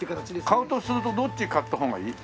買うとするとどっち買った方がいい？